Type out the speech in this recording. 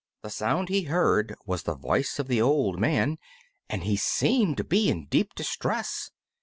The sound he heard was the voice of the old man, and he seemed to be in deep distress.